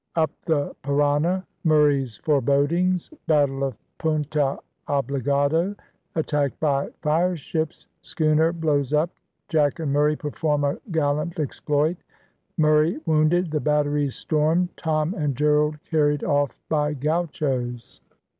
UP THE PARANA MURRAY'S FOREBODINGS BATTLE OF PUNTA OBLIGADO ATTACKED BY FIRESHIPS SCHOONER BLOWS UP JACK AND MURRAY PERFORM A GALLANT EXPLOIT MURRAY WOUNDED THE BATTERIES STORMED TOM AND GERALD CARRIED OFF BY GAUCHOS.